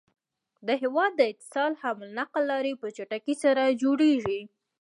د هيواد د اتصال حمل نقل لاری په چټکی سره جوړيږي